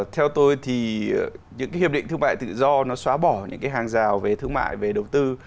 theo tôi thì những cái hiệp định thương mại tự do nó xóa bỏ những cái hàng rào về thương mại về đầu tư